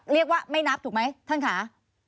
เรียกว่าไม่นับถูกไหมท่านค่ะ